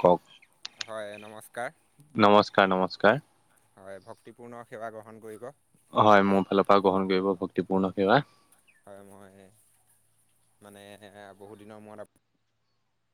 কওঁক? হয়, নমস্কাৰ। নমস্কাৰ, নমস্কাৰ। হয়, ভক্তিপূৰ্ণ সেৱা গ্ৰহণ কৰিব। হয়, মোৰ ফালৰ পৰা গ্ৰহণ কৰিব ভক্তিপূৰ্ণ সেৱা। হয়, মই মানে বহুত দিনৰ মূৰত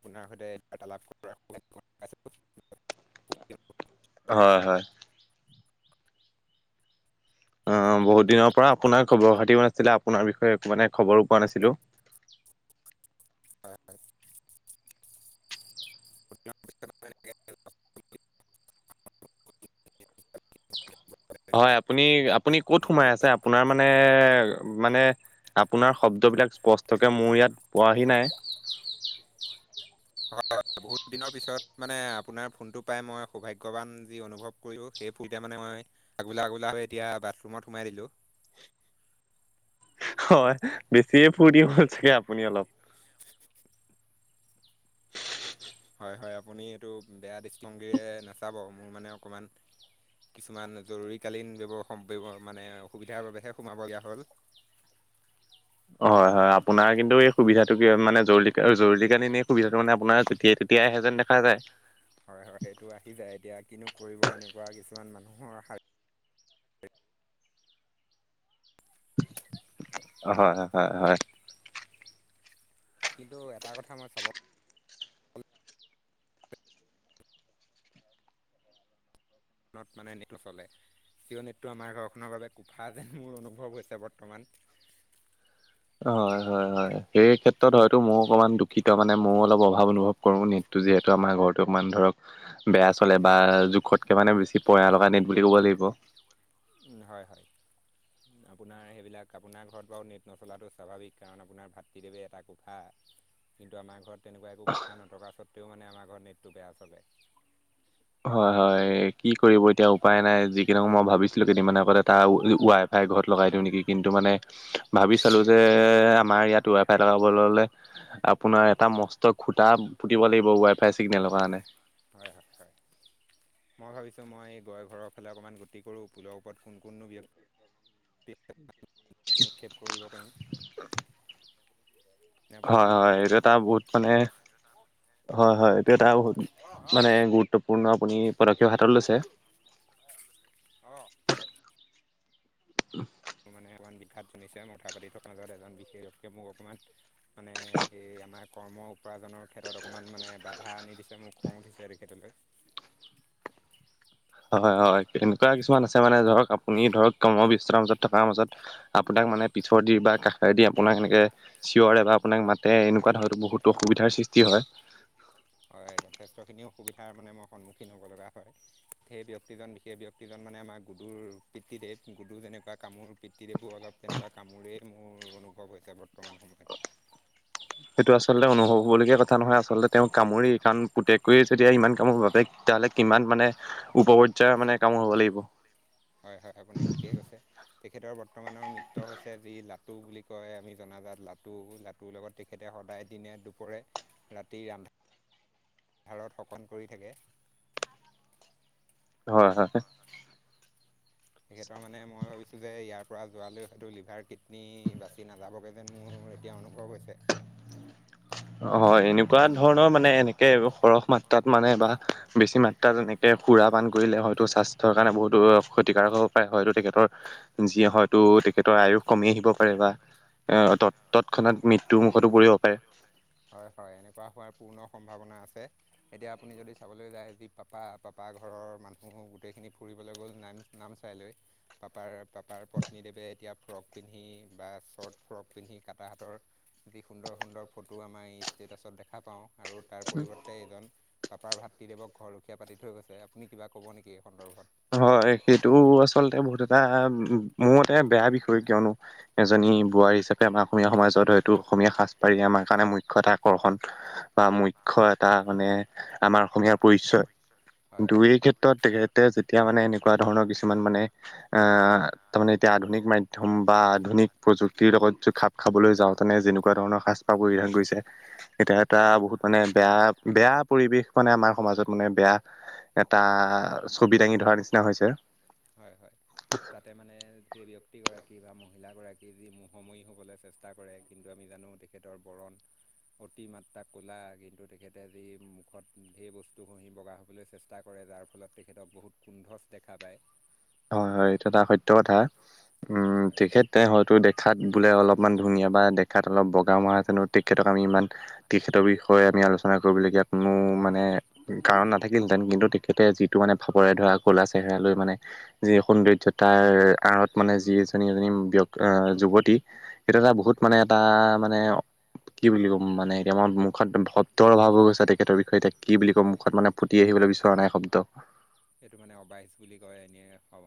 আপোনাৰ সৈতে বাৰ্তালাপ কৰাৰ সৌভাগ্য কণ পাইছো। হয়, হয়। অ' বহুত দিনৰ পৰা আপোনাৰ খবৰ খাতিও নাছিলে, আপোনাৰ বিষয়ে একো মানে খবৰো পোৱা নাছিলোঁ। হয়, হয়। হয়, আপুনি- আপুনি ক'ত সোমাই আছে? আপোনাৰ মানে মানে আপোনাৰ শব্দবিলাক স্পষ্টকে মোৰ ইয়াত পোৱাহি নাই। [unintelligible] বহুত দিনৰ পিছত মানে আপোনাৰ ফোনটো পাই, মই সৌভাগ্যৱান যি অনুভৱ কৰিলো সেই [inaudible] মানে মই আগলা- আগলা হৈ এতিয়া বাথৰুমত সোমাই দিলো। হয়, বেছিয়ে ফুুৰ্তি হ'ল চাগে আপুনি অলপ? হয়, হয় আপুনি এইটো বেয়া দৃষ্টিভংগীৰে নাচাব মোৰ মানে অকণমান কিছুমান জৰুৰীকালীন ব্যৱৱ মানে অসুবিধাৰ বাবেহে সোমাবলগীয়া হ'ল। হয়, হয় আপোনাৰ কিন্তু এই সুবিধাটো কি মানে জৰুৰ জৰুৰী কালীন এই সুবিধাটো মানে আপোনাৰ যেতিয়া তেতিয়াই আহে যেন দেখা যায়। হয়, হয় সেইটো আহি যায়, এতিয়া কিনো কৰিব এনেকুৱা কিছুমান মানুহৰ হয়, হয়, হয়। কিন্তু এটা কথা মই চাব ত মানে নেটটো চলে কিয় নেটটো আমাৰ ঘৰখনৰ বাবে কোফা যেন মোৰ অনুভৱ হৈছে বৰ্তমান। হয়, হয়, হয় সেই ক্ষেত্ৰত হয়তো মোৰ অকমান দুখিত। মানে ময়ো অলপ অভাৱ অনুভৱ কৰোঁ নেটটো যিহেতু আমাৰ ঘৰটো অকমান ধৰক বেয়া চলে বা জোখতকে মানে বেছি পয়া লগা নেট বুলি ক'ব লাগিব। হয়, হয়। আপোনাৰ সেইবিলাক আপোনাৰ ঘৰত বাৰু নেট নচলাটো স্বাভাৱিক কাৰণ আপোনাৰ ভাতৃদেৱে এটা কোফা কিন্তু আমাৰ ঘৰত তেনেকুৱা একো কোফা নথকা স্বত্তেও মানে আমাৰ ঘৰত নেটটো বেয়া চলে। হয়-হয় কি কৰিব এতিয়া উপায় নাই যিকি নহওঁক মই ভাবিছিলো কেইদিনমান আগতে এটা ৱাই ফাই ঘৰত লগাই দিওঁ নেকি? কিন্তু মানে ভাবি চালো যে আমাৰ ইয়াত ৱাই ফাই লগাব হলে আপোনাৰ এটা মস্ত খুটা পুতিব লাগিব ৱাই ফাই চিগনেলৰ কাৰণে। হয়-হয়-হয়। মই ভাবিছোঁ মই গৈ ঘৰৰ ফালে অকণমান গতি কৰোঁ পুলৰ ওপৰত কোন-কোন নো ব্যক্তি [inaudible] নিক্ষেপ কৰিব পাৰিম। নে আপুনি কি হয়-হয় কয়? এইটো এটা বহুত মানে হয়-হয় এইটো এটা বহুত অ মানে গুট গুত্বপূৰ্ণ আপুনি পদক্ষেপ হাতত লৈছে। [inaudible] অ। [inaudible] মোৰ মানে অকমান বিখাত জনিছে কথা পাতি থকা মাজত এজন বিশেষ গতিকে মোক অকণমান মানে এই আমাৰ কৰ্ম উপাৰ্জনৰ ক্ষেত্ৰত অকণমান মানে বাধা আনি দিছে মোৰ খং উঠিছে তেখেতলৈ। হয়-হয় এনেকুৱা কিছুমান আছে মানে ধৰক আপুনি ধৰক কৰ্ম ব্যস্ততাৰ মাজত থকাৰ মাজত আপোনাক মানে পিঠৰ দি বা কাষৰেদি আপোনাক এনেকে চিঞৰে বা আপোনাক মাতে এনেকুৱা ধৰতো বহুতো অসুবিধাৰ সৃষ্টি কি হয়? হয় যথেষ্টখিনি অসুবিধাৰ মানে মই সন্মুখীন হ'ব লগা হয়। সেই প্ৰতিজন [unintelligible] বিশেষ ব্যক্তিজন মানে আমাৰ গুডুৰ পিতৃদেৱ গুডুৰ যেনেকুৱা কামোৰ পিতৃদেৱো অলপ তেনেকুৱা কামোৰেই মোৰ অনুভৱ হৈছে বৰ্তমান সময়ত৷ সেইটো আছে আচলতে অনুভৱ হ'বলগীয়া কথা নহয় আচলতে তেওঁ কামোৰে কাৰণ পুতেকতোৱে যেতিয়া ইমান কামোৰ বাপেক তেতিয়াহ'লে কিমান মানে উপপৰ্যায়ৰ মানে কামোৰ হ'ব লাগিব৷ হয়-হয় আপুনি ঠিকেই কৈছে, তেখেতৰ বৰ্তমানৰ মিত্ৰ হৈছে যি ল টো বুলি কয় আমি জনাজাত লাটো-লাটোৰ লগত তেখেতে সদায় দিনে দুপৰৰে ৰাতি আন্ধ ভাৰত শকন কৰি থাকে। হয়-হয়। তেখেতৰ মানে মই ভাবিছোঁ যে ইয়াৰ পৰা যোৱালৈ হয়তো লিভাৰ কিডনী বাচি নাযাবগে যেন মোৰ এতিয়া অনুভৱ হৈছে। অ হয় এনেকুৱা ধৰণৰ মানে এনেকে সৰহ মাত তাত মানে বা বেছি মাত্ৰাত যেনেকে সুৰা পান কৰিলে হয়তো স্বাস্থ্যৰ কাৰণে বহুতো ক্ষতিকাৰক হ'ব পাৰে হয়তো তেখেতৰ যিয়ে হয়তো তেখেতৰ আয়ুস কমি আহিব পাৰে বা আহ ত তৎক্ষণাত মৃত্যু মুখতো পৰিব পাৰে৷ হয়-হয় এনেকুৱা হোৱাৰ পূৰ্ণ সম্ভাৱনা আছে৷ এতিয়া আপুনি যদি চাবলৈ যায় যি পাপা-পাপা ঘৰৰ মানুহ গোটেইখিনি ফুৰিবলৈ গ'ল নান নাম চাই লৈ পাপাৰ-পাপাৰ পত্নীদেৱে এতিয়া ফ্ৰক পিন্ধি বা চৰ্ট ফ্ৰক পিন্ধি কাটাহাতৰ যি সুন্দৰ-সুন্দৰ ফটো আমাৰ এই ষ্টেটাছত দেখা পাওঁ আৰু তাৰ পৰিৱৰ্তে তে এইজন পাপাৰ ভাতৃদেৱক ঘৰৰখীয়া পাতি থৈ গৈছে আপুনি কিবা ক'ব নেকি এই সন্দৰ্ভত৷ হয় সেইটো আচলতে বহুত এটা মোৰ মতে বেয়া বিষয় কিয়নো এজনী বোৱাৰী হিচাপে আমাৰ অসমীয়া সমাজত হয়তো অসমীয়া সাজপাৰীয়ে আমাৰ কাৰণে মুখ্য এটা আকৰ্ষণ৷ বা মুখ্য এটা মানে আমাৰ অসমীয়াৰ পৰিচয়৷ এই হয় [unintelligible] ক্ষেত্ৰত তেখেতে যেতিয়া মানে এনেকুৱা ধৰণৰ কিছুমান মানে আহ তাৰমানে এতিয়া আধুনিক মাধ্যম বা আধুনিক প্ৰযুক্তিৰ লগত খাপ খাবলৈ যাওঁতেনে যেনেকুৱা ধৰণৰ সাজ পাৰ পৰিধান কৰিছে এতিয়া এটা বহুত মানে বেয়া-বেয়া পৰিৱেশ মানে আমাৰ সমাজত মানে বেয়া এটা ছবি দাঙি ধৰা নিচিনা হৈছে৷ হয়-হয়৷ তাতে মানে সেই ব্যক্তিগৰাকী বা মহিলাগৰাকী যি মোহময়ী হ'বলৈ চেষ্টা কৰে কিন্তু আমি জানো তেখেতৰ বৰণ৷ অতি মাত্ৰা ক'লা, কিন্তু তেখেতে আজি মুখত ঢেৰ বস্তু ঘহি বগা হ'বলৈ চেষ্টা কৰে যাৰ ফলত তেখেতক বহুত কুন্ধচ দেখা পায়। হয়-হয় সেইটো এটা সত্য তো কথা উম, হয়। তেখেতে হয়তো দেখাত বোলে অলপমান ধুনীয়া বা দে খাত অলপ বগা মৰাজনো তেখেতক আমি ইমান তেখেতৰ বিষয়ে আমি আলোচনা কৰিবলগীয়াত কোনো মানে কাৰণ নাথাকিলহেঁতেন কিন্তু তেখেতে যিটো মানে ফাপৰে ধৰা কলা চেহেৰা লৈ মানে যি সৌন্দৰ্যতাৰ আৰত মানে যি এজনী-এজনী ব্যক আ যুৱতী সেইটো এটা বহুত মানে এটা মানে কি বুলি কম, মানে এতিয়ামত মুখত ভত তৰ অভাৱো গৈছে তেখেতৰ বিষয়ে এতিয়া কি বুলি কম, মুখত মানে ফুতি হয় আহিবলৈ হয় বিচৰা নাই শব্দ। এইটো মানে অবাইচ বুলি কয় এনেই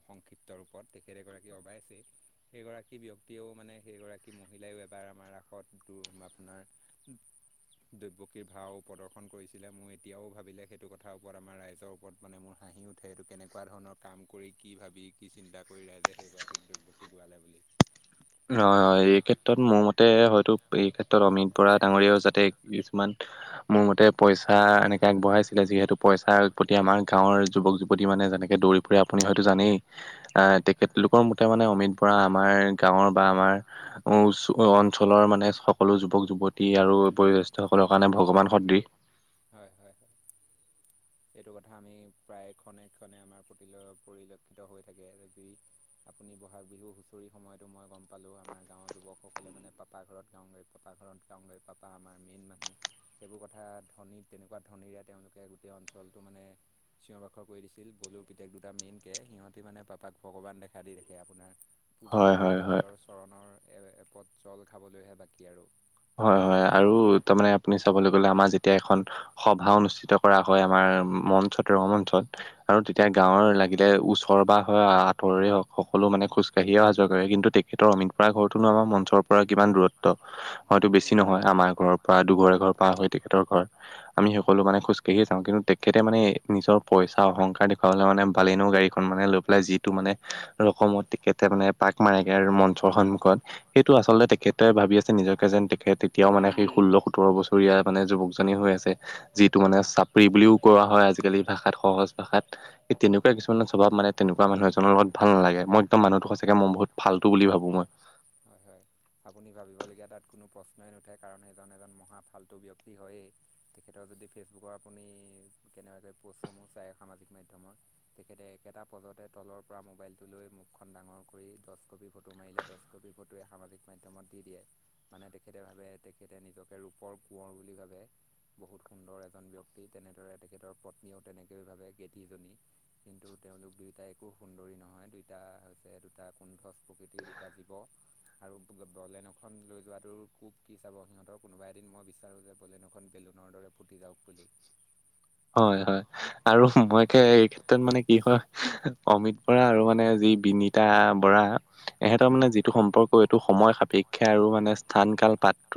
সংক্ষিপ্ত ৰূপত তেখেত এগৰাকী অবাইচেই সেইগৰাকী ব্যক্তিয়েও মানে সেইগৰাকী মহিলাইয়ো এবাৰ আমাৰ ৰাসত তোৰ ম আপোনাৰ দৈব্য ভাও প্ৰদৰ্শন কৰিছিলে মোৰ এতিয়াও ভাবিলে সেইটো কথাৰ ওপৰত আমাৰ ৰাইজৰ ওপৰত মানে মোৰ হাঁহি ও ঠে সেইটো কেনেকুৱা ধৰণৰ কাম কৰি কি ভাবি কি চিন্তা কৰি ৰাইজে সেইগৰাকীক দ্ৰব্যক কি গোৱালে বুলি হয়-হয় এই ক্ষেত্ৰত মোৰ মতে হয়তো এই ক্ষেত্ৰত অমিত বৰা ডাঙৰিয়াও যাতে কিছুমান মোৰ মতে পইচা এনেকে আগবঢ়াইছিলে যিহেতু পইচাৰ প্ৰতি আমাৰ গাঁৱৰ যুৱক-যুৱতী মানে যেনেকে দৌৰি আপুনি হয়তো জানেই, আহ হয় তেখেতলোকৰ মতে মানে অমিত বৰা আমাৰ গাঁৱৰ বা আমাৰ চ অঞ্চলৰ মানে সকলো যুৱক-যুৱতী আৰু বয়োজ্যেষ্ঠ সকলৰ কাৰণে ভগৱান সদৃশ। হয়-হয়-হয়। এইটো কথা আমি প্ৰায় ক্ষণে-ক্ষণে আমাৰ প্ৰতি পৰিলক্ষিত হৈ থাকে য যি আপুনি বহাগ বিহু হুঁচৰি সময়তো মই গম পালো আমাৰ গাঁৱৰ যুৱকসকলে মানে পাপা ঘৰত গাওঁ গাই পাপা ঘৰত যাওগৈ পাপা আমাৰ মেইন মানুহ সেইবোৰ কথাত ধ্বনি তেনেকুৱা ধ্বনিৰে তেওঁলোকে গোটেই অঞ্চলটো মানে চিঞৰ বাখৰ কৰি দিছিল বলুৰ পিতেক দুটা মেইনকে সিহঁতে মানে পাপাক ভগৱান দেখা দি দেখে আপোনাৰ। পূজা হয় কৰি হয় হয় তেখেতৰ চৰণৰ এ এপত জল খাবলৈহে বাকী আৰু। হয়-হয় আৰু তাৰ মানে আপুনি চাবলৈ গ'লে আমাৰ যেতিয়া এতিয়া এখন সভা অনুষ্ঠিত কৰা হয় আমাৰ মঞ্চত ৰ মঞ্চত। আৰু তেতিয়া গাঁৱৰ লাগিলে ওচৰ বা হয় আতৰে হওক সকলো মানে খোজকাঢ়িয়ে অহা যোৱা কৰে। কিন্তু তেখেতৰ অমিত প্ৰায় ঘৰটোনো আমাৰ মঞ্চৰ পৰা কিমান দূৰত্ব হয়তো হয় বেছি নহয়। আমাৰ ঘৰৰ পৰা দুঘৰ, এঘৰ পাৰ হয় তেখেতৰ ঘৰ। আমি সকলো মানে খোজ কাঢ়িয়ে যাও কিন্তু তেখেতে মানে নিজৰ পইচা অহংকাৰ দেখুৱাবলে মানে বালেনো গাড়ীখন মানে লৈ পেলাই যিটো মানে ৰকমত তেখেতে মানে পাক মাৰেগে আৰু মঞ্চৰ সন্মুখত, সেইটো আচলতে তেখেতে ভাবি আছে নিজক যেন তেখে তেতিয়াও মানে সেই ষোল্ল, সোতৰ বছৰীয়া মানে যুৱকজনে হৈ আছে। যিটো মানে চাপৰি বুলিও কোৱা হয় আজিকালি ভাষাত সহজ ভাষাত, সেই তেনেকুৱা হয় হয় কিছুমান অলপ মানে তেনেকুৱা মানুহ এজনৰ লগত ভাল নালাগে। মই মানুহটো সঁচাকে মই ফাল্টু বুলি ভাবো। হয়-হয়। আপুনি ভাবিবলগীয়া তাত কোনো প্ৰশ্নই নুঠে, কাৰণ সেইজন এজন মহা ফাল্টু ব্যক্তি হয়েই। তেখেতৰ যদি ফেচবুকৰ আপুনি কেনেবাকৈ প'ষ্টসমূহ চায় সামাজিক মাধ্যমৰ তেখেতে একেটা পজতে তলৰ পৰা মোবাইলটো লৈ মুখখন ডাঙৰ কৰি দহ কপি ফটো মাৰিলে, দহ কপি ফটোৱে সামাজিক মাধ্যমত দি দিয়ে। মানে তেখেতে ভাবে তেখেতে নিজকে ৰূপৰ কোঁৱৰ বুলি ভাবে। বহুত সুন্দৰ এজন ব্যক্তি, তেনেদৰে তেখেতৰ পত্নীও তেনেকৈ ভাৱে গেদজনী। কিন্তু তেওঁলোক দুয়োটাই একো সুন্দৰী নহয়, দুইটা হৈছে দু এটা কুন্থ প্ৰকৃতিৰ, দুটা জীৱ। আৰু বলেনোখন লৈ যোৱাটো কোব কি চাব, সিহঁতৰ কোনোবা এদিন মই বিচাৰো যে বলেনোখন বেলুনৰ দৰে ফুটি যাওক বুলি। হয় হয় আৰু মই কে এই ক্ষেত্ৰত মানে কি হয় অমিত বৰা আৰু মানে যি বিনীতা বৰা ইহঁতৰ হয়। মানে যিটো সম্প ক এইটো সময় সাপেক্ষে আৰু মানে স্থান কাল পাত্ৰ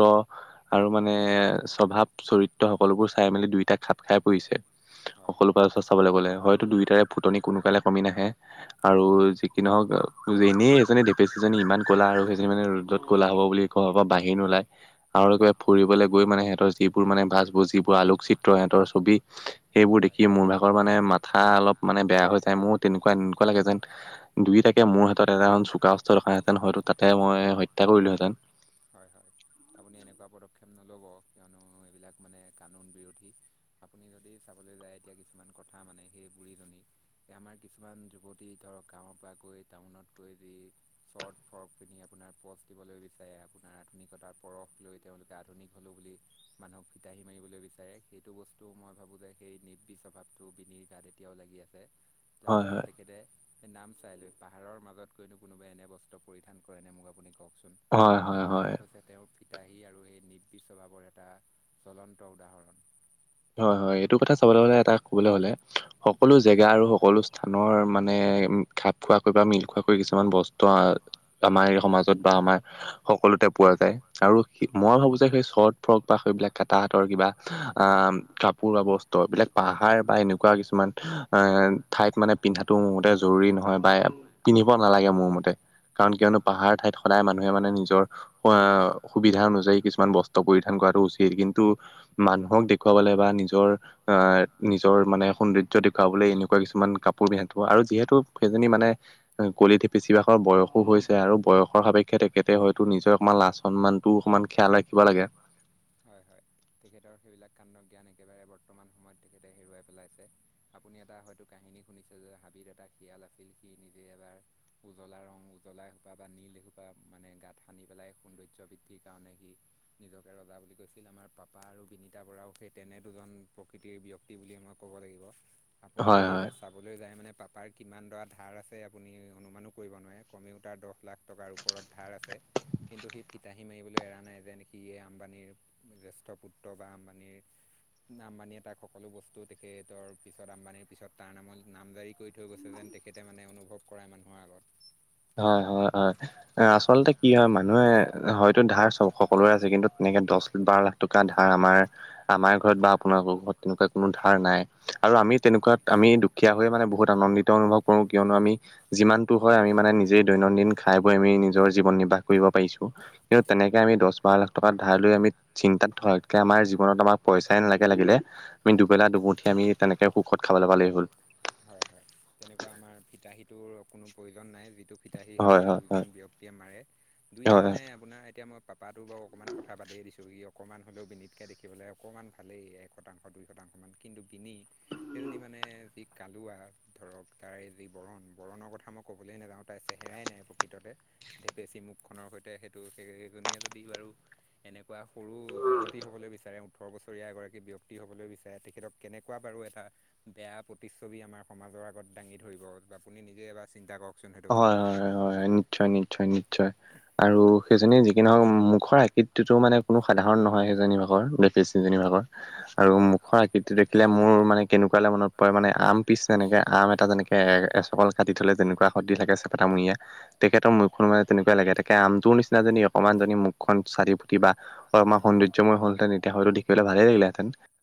আৰু মানে স্বভাৱ চৰিত্ৰ সকলোবোৰ চাই মেলি দুইটা খাপ খাই পৰিছে হয় সকলো হয় ফালৰ হয় পৰা চাবলে গলে হয়তো দুইটাৰে ফুটনি কোনোকালে কমি নাহে। আৰু যি কি নহওক যেনেই এজনী ডেপেচিজনী ইমান ক'লা আৰু সেইজনী মানে ৰ'দত ক'লা হ'ব বুলি ঘৰৰ পৰা বাহিৰ নোলায়। আৰু হয় কিবা ফুৰিবলৈ গৈ মানে সিহঁত যিবোৰ মানে ভাজবোৰ যিবোৰ আলোকচিত্ৰ সিহঁতৰ ছবি সেইবোৰ হয়। দেখি মোৰ ভাগৰ মানে মাথা অলপ মানে বেয়া হৈ যায় মোৰ তেনেকুৱা এনেকুৱা লাগে যেন দুইটাকে মোৰ হাতত এটা এখন চোকা অস্ত্ৰ থকা হেতেন হয়তো তাতে মই হত্যা কৰিলো হেতেন। হয়, হয়, আপুনি এনেকুৱা পদক্ষেপ নল'ব কিয়নো এইবিলাক মানে কানুন বিৰোধী আপুনি যদি চাবলৈ যায় এতিয়া কিছুমান কথা মানে সেই বুঢ়ীজনী। আমাৰ কিছুমান যুৱতী ধৰক গাঁৱৰ পৰা গৈ টাউনত গৈ যি শৰ্ট ফ্ৰক পিন্ধি আপোনাৰ পচ দিবলৈ বিচাৰে আপোনাৰ আধুনিকতাৰ পৰখ লৈ তেওঁলোকে আধুনিক হ'লো বুলি মানুহক ফিতাহী মাৰিবলৈ বিচাৰে সেইটো বস্তু মই ভাবোঁ যে সেই নিৰ্বীষ স্বভাৱটো বিনিৰ গাতে এতিয়াও লাগি আছে যাৰ হয় হয় ফলত তেখেতে সেই নামচাই লৈ পাহাৰৰ মাজত। গৈ নো কোনোবাই এনে বস্ত্ৰ পৰিধান কৰেনে মোক আপুনি কওকচোন। হয় হয় হয় সেইবিলাক হৈছে তেওঁৰ- ফিতাহী আৰু সেই নিব'বি স্বভাৱৰ এটা জ্বলন্ত উদাহৰণ। হয়' হয়' এইটো কথা চাবলে গ'লে, এটা কবলৈ হ'লে সকলো জেগা আৰু সকলো স্থানৰ মানে- মানে- খাপ খোৱাকৈ বা মিল খোৱাকৈ কিছুমান বস্তু আহ আমাৰ সমাজত বা আমাৰ- সকলোতে পোৱা যায়। আৰু মই ভাবো যে সেই চৰ্ট ফ্ৰক বা সেইবিলাক কটাহাতৰ কিবা আহ কাপোৰ বা বস্ত্ৰ এইবিলাক পাহাৰ বা এনেকুৱা কিছুমান এ ঠাইত মানে পিন্ধাটো মোৰ মতে জৰুৰী নহয় বা পিন্ধিব নালাগে মোৰ মতে। কাৰণ কিয়নো পাহাৰ ঠাইত সদায় মানুহে মানে নিজৰ হোৱা সুবিধা অনুযায়ী কিছুমান বস্ত্ৰ পৰিধান কৰাটো উচিত কিন্তু মানুহক দে খুৱাবলে বা নিজৰ আহ নিজৰ মানে সৌন্দ ৰ্য্য দেখুৱাবলে এনেকুৱা কিছুমান কাপোৰ পিন্ধা থব আৰু যিহেতু সেইজনী মানে কলি ঢেঁপেচি ভাগৰ বয়সো হৈছে আৰু বয়সৰ সাপেক্ষে তেখেতে হয়তো নিজৰ অকমান লাজ সন্মানটো অকণমান খিয়ালে - ৰাখিব লাগে। হয়' হয়' তেখেতৰ সেইবিলাক কাণ্ড জ্ঞান একেবাৰে বৰ্তমান সময়ত তেখেতে হেৰুৱাই পেলাইছে। আপুনি এটা হয়তো কাহিনী শুনিছে যে হাবিৰ এটা শিয়াল আছিল সি নিজে এবাৰ- উজ্বলা ৰং উজলা এসোপা বা নীল এসোপা মানে গাত সানি পেলাই সৌন্দৰ্য বৃদ্ধিৰ কাৰণে সি- নিজকে ৰজা বুলি কৈছিল। আমাৰ পাপা আৰু বিনীতা বৰাও সেই তেনে দুজন প্ৰকৃতিৰ ব্য ক্তি বুলি মই ক'ব লাগিব। আপুনি হয় যদি হয় এতিয়া- চাবলৈ যায় মানে পাপাৰ কিমান দৰা ধাৰ আছে আপুনি অনুমানো কৰিব নোৱাৰে কমেও তাৰ দ'হ লাখ টকাৰ ওপৰত- ধাৰ আছে। কিন্তু সি ফিতাহী মাৰিবলৈ এৰা নাই যেন- সিয়ে আম্বানীৰ জ্যেষ্ঠ পুত্ৰ বা আম্বানীৰ- আম্বানীয়ে তাক সকলো বস্তু তেখেতৰ পিছত আম্বানিৰ পিছত তাৰ নামত নাম জাৰি- কৰি থৈ গৈছে যেন তেখেতে মানে অনুভৱ কৰাই মানুহৰ আগত। হয়-হয়-হয় অ আচ আচলতে কি হয় মানুহে হয়তো ধাৰ চ'ব সকলোৰে আছে। কিন্তু তেনেকে দছ, বাৰ লাখ- টকা ধাৰ আমাৰ-আমাৰ ঘৰত বা আপোনালোকৰ ঘৰত তেনেকুৱা কোনো ধাৰ নাই। আৰু আমি তেনেকুৱাত আমি দুখীয়া হৈ মানে বহুত আনন্দিত অনুভৱ কৰো। কিয়নো আমি- যিমানটো হয় আমি মানে নি- জে দৈনন্দিন খাই বৈ আমি নিজৰ জীৱন নিৰ্বাহ কৰিব পাৰিছো। কিন্তু তেনেকে আমি দছ-বাৰ লাখ- টকা ধাৰ লৈ আমি চিন্তাতকে আমাৰ জীৱনত আমাক পইচাই নালাগে লাগিলে আমি দুবেলা-দুমুঠি আমি তেনেকে সুখত খাবলৈ পালেই হ'ল। হয় হয় তেনেকুৱা আমাৰ ফিতাহীটোৰ কোনো প্ৰয়োজন নাই যিটো- ফিতাহী সেই হয় হয় হয় দুজন ব্যক্তিয়ে মাৰে দুইটা হয় হয়। মানে আপোনাৰ এতিয়া মই পাপা বাৰু অকণমান কথা বাদেই দিছোঁ সি অকণমান হ'লেও বিনীতকৈ দেখিবলৈ অকণমান ভালেই একতাংশ দুই শতাংশ মান কিন্তু বিনি সেইজনী মানে যি- কালুৱা ধৰক তাৰে যি বৰণ বৰণৰ কথা মই ক'বলৈয়ে নাযাওঁ তাইৰ চেহেৰাই নাই প্ৰকৃততে। ধেপেচী মুখনৰ সৈতে সেইটো সেইকেইজনীয়ে যদি বাৰু এনেকুৱা সৰু যুৱতী হ'বলৈ বিচাৰে ওঠৰ বছৰীয়া এগৰাকী ব্যক্তি হ'বলৈ বিচাৰে তেখেতক- কেনেকুৱা বাৰু এটা বেয়া, প্ৰত্ৰিছবি আমাৰ সমাজৰ আগত দাঙি ধৰিব আপুনি নিজে এবাৰ চিন্তা কৰক। হয়, হয়, হয়, হয়, হয়, নিশ্চয়, নিশ্চয়, নিশ্চয়। আৰু সেইজনী যিকি নহওক মুখৰ আকৃতিতো মানে কোনো সাধাৰণ নহয় সেইজনী ভাগৰ। বেচেৰীজনী ভাগৰ। হয় আৰু হয় মুখৰ আকৃতি দেখিলে মোৰ মানে কেনেকুৱালৈ মনত পৰে মানে আম পিচ যেনেকে আম এটা যেনেকে, এ এ চকল কাটি থ'লে যেনেকুৱা শৰ্দি থাকে চেপেটা মূৰিয়া তেখেতৰ যেনেকে হয় মুখখন মানে তেনেকুৱা লাগে। আমটোৰ নিচিনা যদি অকণমান মুখখন চাৰি ফুতিয়া- অকণমান হ'লো সৌন্দৰ্য্যময় হ'লহেতেন তেতিয়া হয়তো দেখিবলৈ ভালেই লাগিলে হেতেন।